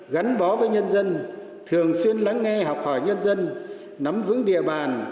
gắn bó với nhân dân thường xuyên lắng nghe học hỏi nhân dân nắm vững địa bàn